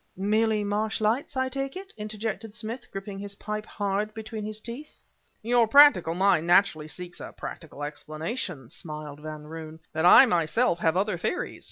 "Merely marsh lights, I take it?" interjected Smith, gripping his pipe hard between his teeth. "Your practical mind naturally seeks a practical explanation," smiled Van Roon, "but I myself have other theories.